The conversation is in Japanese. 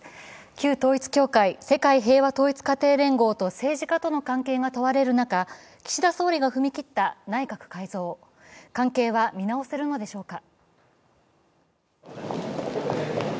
旧統一教会、世界平和統一家庭連合と政治家との関係が問われる中、岸田総理が踏み切った内閣改造関係は見直せるのでしょうか。